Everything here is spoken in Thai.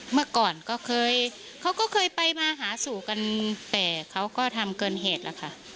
เมื่อก่อนก็เคยเขาก็เคยไปมาหาสู่กันแต่เขาก็ทำเกินเหตุแล้วค่ะ